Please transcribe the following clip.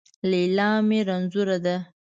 ليلا مې رنځونه ده